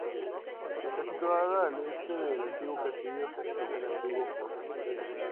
Está situado al este del antiguo castillo, cerca del antiguo foso.